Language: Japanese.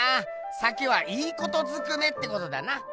鮭はいいことずくめってことだな。